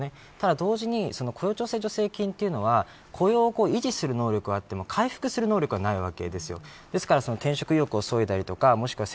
同時に雇用調整助成金は雇用を維持する能力はあっても回復する能力はありません。